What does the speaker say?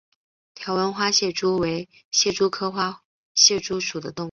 条纹花蟹蛛为蟹蛛科花蟹蛛属的动物。